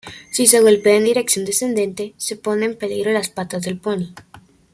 Si se golpea en dirección descendente, se pone en peligro las patas del poni.